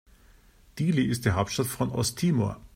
Dili ist die Hauptstadt von Osttimor.